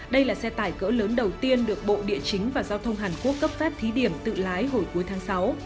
đây là xe tải cỡ lớn đầu tiên được bộ địa chính và giao thông hàn quốc cấp phép thí điểm tự lái hồi cuối tháng sáu